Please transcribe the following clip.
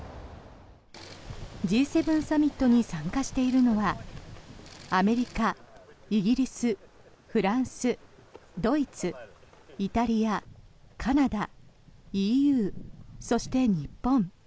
Ｇ７サミットに参加しているのはアメリカ、イギリス、フランスドイツ、イタリア、カナダＥＵ、そして日本。